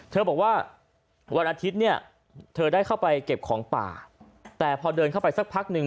เธอบอกว่าวันอาทิตย์เนี่ยเธอได้เข้าไปเก็บของป่าแต่พอเดินเข้าไปสักพักหนึ่ง